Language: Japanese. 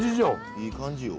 いい感じよ。